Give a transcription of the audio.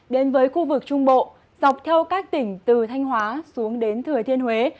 đến với khu vực trung bộ dọc theo các tỉnh từ thanh hóa xuống đến thừa thiên huế